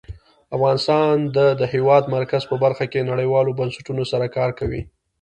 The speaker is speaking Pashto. افغانستان د د هېواد مرکز په برخه کې نړیوالو بنسټونو سره کار کوي.